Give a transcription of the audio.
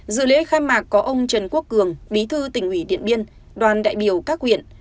dự lễ khai mạc có ông trần quốc cường bí thư tỉnh ủy điện biên đoàn đại biểu các huyện